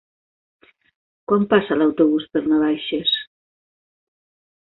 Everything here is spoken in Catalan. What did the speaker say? Quan passa l'autobús per Navaixes?